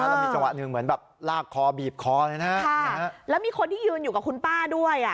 แล้วมีจังหวะหนึ่งเหมือนแบบลากคอบีบคอเลยนะแล้วมีคนที่ยืนอยู่กับคุณป้าด้วยอ่ะ